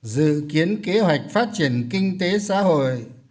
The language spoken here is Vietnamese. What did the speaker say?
dự kiến kế hoạch phát triển kinh tế xã hội